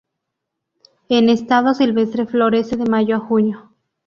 En estado silvestre florece de mayo a junio.